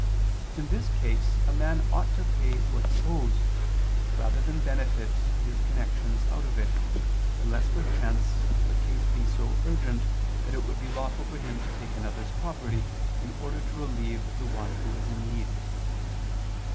In this case a man ought to pay what he owes, rather than benefit his connections out of it, unless perchance the case be so urgent that it would be lawful for him to take another's property in order to relieve the one who is in need.